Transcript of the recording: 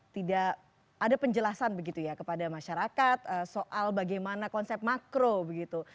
tidak ada penjelasan begitu ya kepada masyarakat soal bagaimana konsep makro begitu